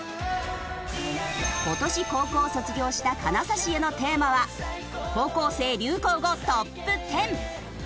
今年高校を卒業した金指へのテーマは高校生流行語トップ１０！